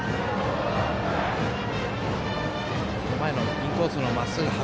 インコースのまっすぐ